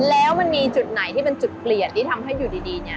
แล้วมันมีจุดไหนที่เป็นจุดเปลี่ยนที่ทำให้อยู่ดีเนี่ย